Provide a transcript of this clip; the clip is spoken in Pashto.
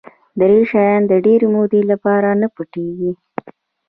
دری شیان د ډېرې مودې لپاره نه پټ کېږي.